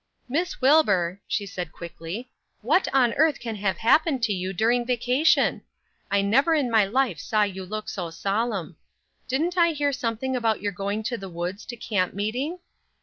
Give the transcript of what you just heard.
"Miss Wilbur," she said, quickly, "what on earth can have happened to you during vacation? I never in my life saw you look so solemn. Didn't I hear something about your going to the woods to camp meeting?